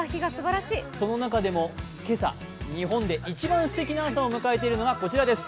その中でも今朝、日本で一番すてきな朝を迎えているのがこちらです。